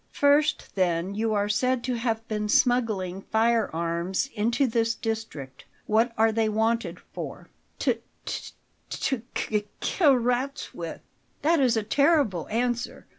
"First, then, you are said to have been smuggling firearms into this district. What are they wanted for?" "T t to k k kill rats with." "That is a terrible answer.